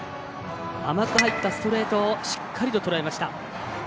甘く入ったストレートをしっかりととらえました。